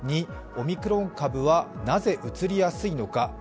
２、オミクロン株はなぜうつりやすいのか。